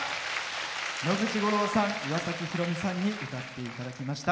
野口五郎さん、岩崎宏美さんに歌っていただきました。